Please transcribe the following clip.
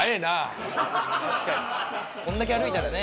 こんだけ歩いたらね。